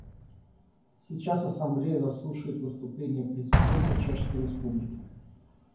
Сейчас Ассамблея заслушает выступление президента Чешской Республики.